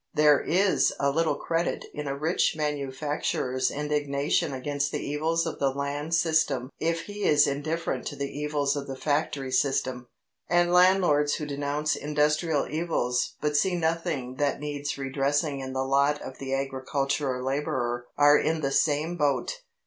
There is little credit in a rich manufacturer's indignation against the evils of the land system if he is indifferent to the evils of the factory system, and landlords who denounce industrial evils but see nothing that needs redressing in the lot of the agricultural labourer are in the same boat.